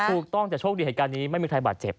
ถูกต้องแต่โชคดีเหตุการณ์นี้ไม่มีใครบาดเจ็บ